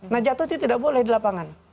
nah jatuh itu tidak boleh di lapangan